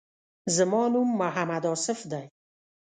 زما نوم محمد آصف دی.